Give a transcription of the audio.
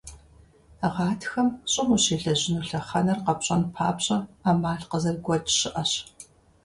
Гъатхэм щӀым ущелэжьыну лъэхъэнэр къэпщӀэн папщӀэ, Ӏэмал къызэрыгуэкӀ щыӀэщ.